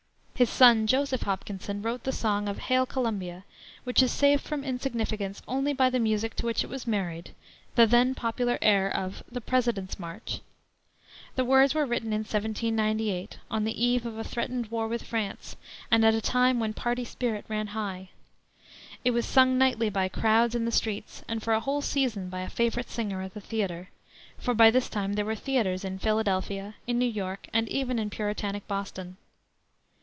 His son, Joseph Hopkinson, wrote the song of Hail Columbia, which is saved from insignificance only by the music to which it was married, the then popular air of "The President's March." The words were written in 1798, on the eve of a threatened war with France, and at a time when party spirit ran high. It was sung nightly by crowds in the streets, and for a whole season by a favorite singer at the theater; for by this time there were theaters in Philadelphia, in New York, and even in Puritanic Boston.